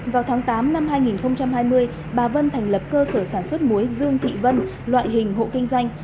vào tháng tám năm hai nghìn hai mươi bà vân thành lập cơ sở sản xuất muối dương thị vân loại hình hộ kinh doanh